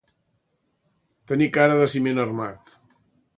Tenir cara de ciment armat.